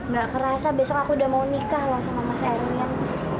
gak kerasa besok aku udah mau nikah loh sama mas erinian